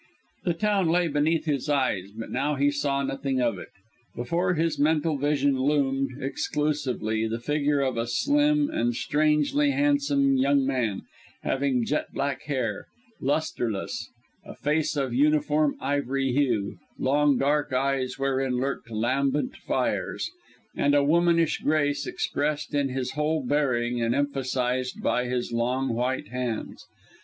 The town lay beneath his eyes, but now he saw nothing of it; before his mental vision loomed exclusively the figure of a slim and strangely handsome young man, having jet black hair, lustreless, a face of uniform ivory hue, long dark eyes wherein lurked lambent fires, and a womanish grace expressed in his whole bearing and emphasised by his long white hands.